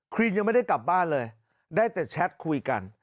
รีนยังไม่ได้กลับบ้านเลยได้แต่แชทคุยกัน